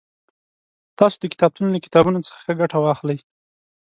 تاسو د کتابتون له کتابونو څخه ښه ګټه واخلئ